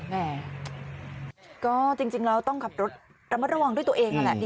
แน่จริงเราต้องขับรถตำรวจรวงด้วยตัวเองนั่นแหละดีที่สุด